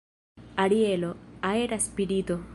Arielo, aera spirito.